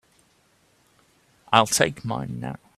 I'll take mine now.